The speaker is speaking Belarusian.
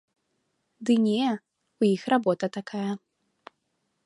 Ды не, у іх работа такая.